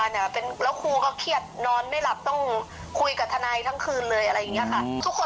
แล้วครูก็เครียดนอนไม่หลับต้องคุยกับทนายทั้งคืนเลยอะไรอย่างนี้ค่ะ